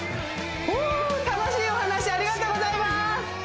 楽しいお話ありがとうございます